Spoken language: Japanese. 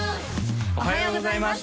おはようございます